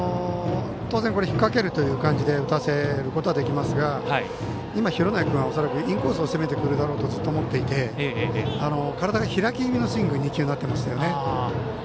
当然、引っ掛ける感じで打たせることはできますが今、廣内君はインコースを攻めてくるだろうとずっと思っていて体が開き気味のスイングに２球なっていましたよね。